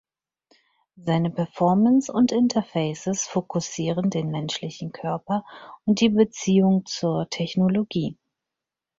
Seine Performances und Interfaces fokussieren den menschlichen Körper und die Beziehung zur Technologie.